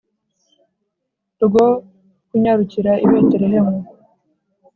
rwo kunyarukira i Betelehemu